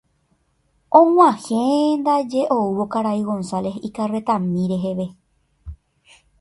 Og̃uahẽndaje oúvo karai González ikarretami reheve.